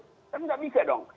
kan enggak bisa dong